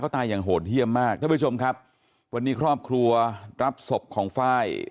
ท่านผู้ชมครับภายในครอบครัวรับศพของฟ่าอี